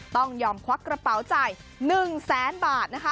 ต้องยอมควักกระเป๋าจ่าย๑แสนบาทนะคะ